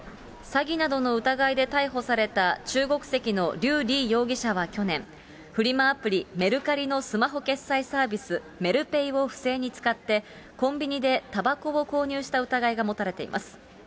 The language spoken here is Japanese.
詐欺などの疑いで逮捕された中国籍の劉莉容疑者は去年、フリマアプリ、メルカリのスマホ決済サービス、メルペイを不正に使って、コンビニでたばこを購入した疑いが持たれています。